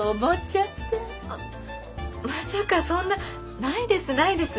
まさかそんなないですないです！